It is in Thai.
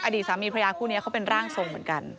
อดีตสามีพระยาคู่นี้เขาเป็นร่างทรงเหมือนกัน